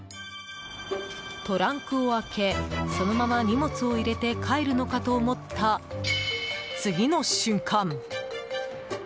トランクを開けそのまま荷物を入れて帰るのかと思った次の瞬間。